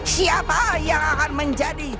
siapa yang akan menjadi